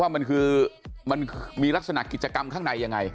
ว่ามันคือมันมีลักษณะกิจกรรมข้างในยังไง